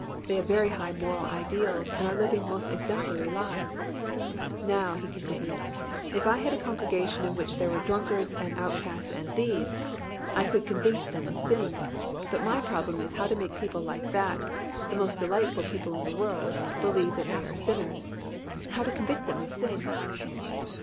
They have very high moral ideals and are living most exemplary lives. Now," he continued, "if I had a congregation in which there were drunkards and outcasts and thieves, I could convince them of sin, but my problem is how to make people like that, the most delightful people in the world, believe that they are sinners, how to convict them of sin."